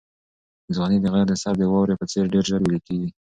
ځواني د غره د سر د واورې په څېر ډېر ژر ویلې کېږي.